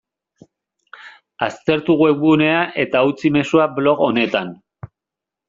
Aztertu webgunea eta utzi mezua blog honetan.